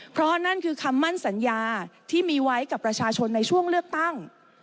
เพราะนั่นคือคำมั่นสัญญาที่มีไว้กับประชาชนในช่วงเลือกตั้ง